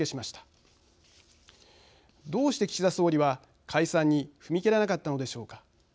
どうして岸田総理は解散に踏み切らなかったのでしょうか。